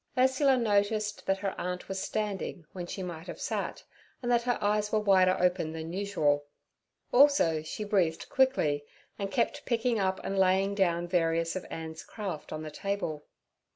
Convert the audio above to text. Ursula noticed that her aunt was standing when she might have sat, and that her eyes were wider open than usual; also she breathed quickly and kept picking up and laying down various of Ann's craft on the table.